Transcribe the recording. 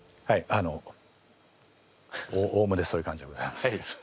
あのおおむねそういう感じでございます。